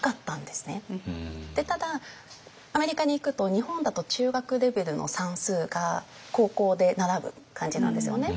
ただアメリカに行くと日本だと中学レベルの算数が高校で習う感じなんですよね。